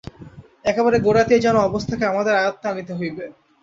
একেবারে গোড়াতেই যেন অবস্থাকে আমাদের আয়ত্তে আনিতে হইবে।